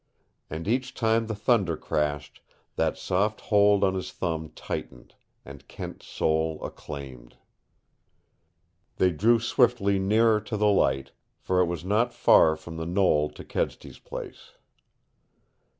And each time the thunder crashed that soft hold on his thumb tightened, and Kent's soul acclaimed. They drew swiftly nearer to the light, for it was not far from the knoll to Kedsty's place.